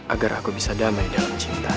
agar aku bisa damai dalam cinta